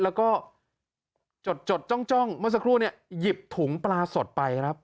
แล้วก็จดจ้องเมื่อสักครู่เนี่ยหยิบถุงปลาสดไปครับ